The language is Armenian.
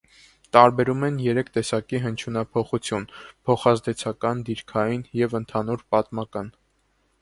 Տարբերում են երեք տեսակի հնչյունափոխություն՝ փոխազդեցական, դիրքային և ընդհանուր պատմական։